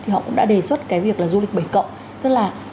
họ cũng đã đề xuất cái việc là du lịch bẩy cộng tức là